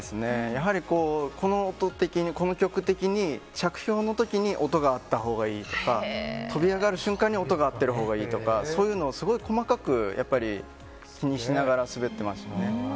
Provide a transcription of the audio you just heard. やはりこの曲的に、着氷の時に音があったほうがいいとか跳び上がる瞬間に音が合ってるほうがいいとかそういうのを、すごく細かく気にしながら滑ってましたね。